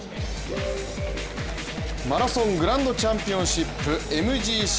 マラソングランドチャンピオンシップＭＧＣ。